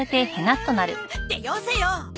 ってよせよ！